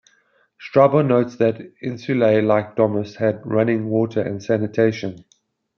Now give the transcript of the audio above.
Strabo notes that "insulae", like "domus", had running water and sanitation.